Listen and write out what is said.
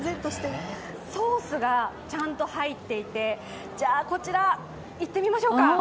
ソースがちゃんと入っていてこちらいってみましょうか。